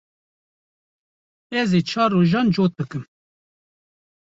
Ez ê çar rojan cot bikim.